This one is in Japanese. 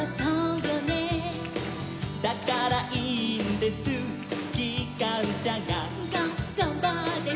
「だからいいんですきかんしゃが」